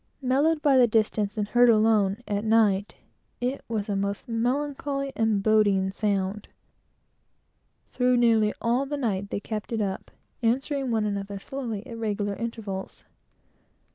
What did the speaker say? Mellowed by the distance, and heard alone, at night, I thought it was the most melancholy, boding sound I had ever heard. Through nearly all the night they kept it up, answering one another slowly, at regular intervals.